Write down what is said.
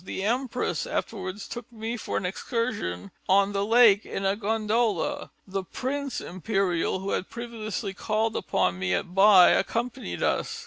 The Empress afterwards took me for an excursion on the lake in a gondola. The Prince Imperial, who had previously called upon me at By, accompanied us.